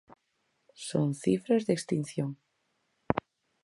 Son cifras de extinción.